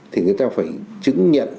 thì người ta phải chứng nhận